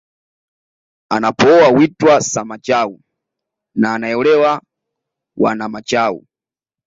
Anapooa huitwa Samachau na anaeolewa Wanamachau